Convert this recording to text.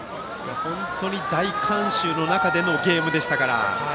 本当に大観衆の中でのゲームでしたから。